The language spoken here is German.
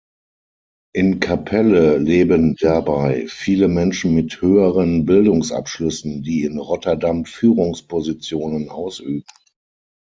In Capelle leben dabei viele Menschen mit höheren Bildungsabschlüssen, die in Rotterdam Führungspositionen ausüben.